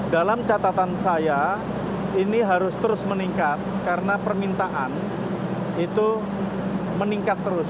dalam catatan saya ini harus terus meningkat karena permintaan itu meningkat terus